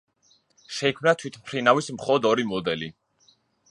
შეიქმნა თვითმფრინავის მხოლოდ ორი მოდელი.